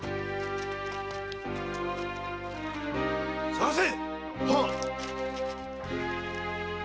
捜せ！